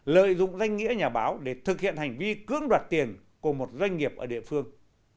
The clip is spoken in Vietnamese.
lợi dụng danh nghĩa nhà báo để thực hiện hành vi cưỡng đoạt tiền của một doanh nghiệp ở địa phương